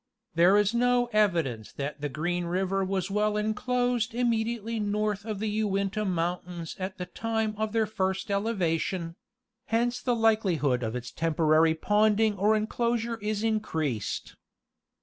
There is no evidence that the Green river was well enclosed immediately north of the Uinta mountains at the time of their first elevation; hence the likelihood of its tem porary ponding or enclosure is increased.